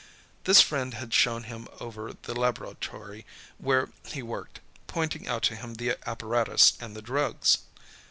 This friend had shown him over the laboratory where he worked, pointing out to him the apparatus and the drugs.